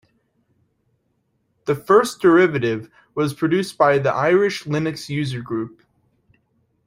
The first derivative was produced by the Irish Linux Users Group.